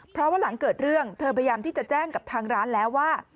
เพราะว่าหลังเกิดเรื่องเธอพยายามที่จะแจ้งกับทางร้านแล้วว่า